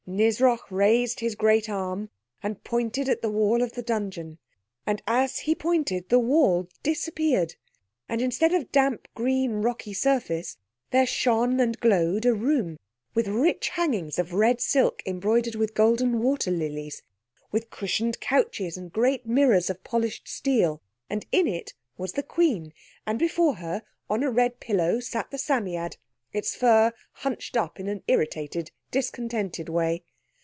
Nisroch raised his great arm and pointed at the wall of the dungeon. And, as he pointed, the wall disappeared, and instead of the damp, green, rocky surface, there shone and glowed a room with rich hangings of red silk embroidered with golden water lilies, with cushioned couches and great mirrors of polished steel; and in it was the Queen, and before her, on a red pillow, sat the Psammead, its fur hunched up in an irritated, discontented way.